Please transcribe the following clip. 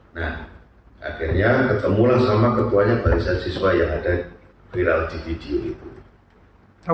nah akhirnya ketemulah sama ketuanya barisan siswa yang ada viral di video itu